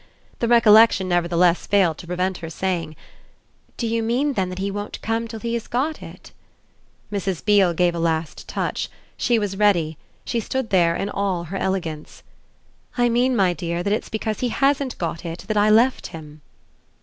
The recollection nevertheless failed to prevent her saying: "Do you mean then that he won't come till he has got it?" Mrs. Beale gave a last touch; she was ready; she stood there in all her elegance. "I mean, my dear, that it's because he HASN'T got it that I left him."